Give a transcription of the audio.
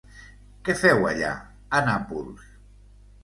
Què feu allà, a Nàpols?